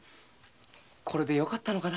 これでよかったのかな？